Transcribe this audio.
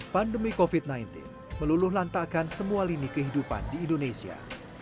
pandemi covid sembilan belas meluluh lantakkan semua lini kehidupan di indonesia